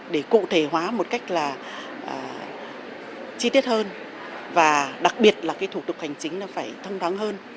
để cụ thể hóa một cách là chi tiết hơn và đặc biệt là thủ tục hành chính phải thông đoán hơn